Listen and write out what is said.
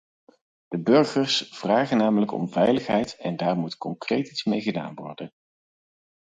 De burgers vragen namelijk om veiligheid en daar moet concreet iets mee gedaan worden.